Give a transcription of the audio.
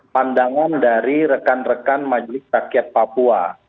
pandangan dari rekan rekan majelis rakyat papua